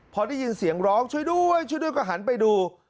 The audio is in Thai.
พอได้ยินเสียงร้องช่วยด้วยช่วยด้วยก็หันไปดู